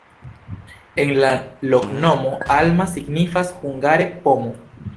En la loknomo alma signifas hungare: pomo.